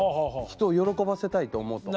人を喜ばせたいと思うと。